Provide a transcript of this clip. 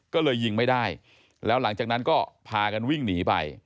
ก็เลยยิงไม่ได้แล้วหลังจากนั้นก็พากันวิ่งหนีไป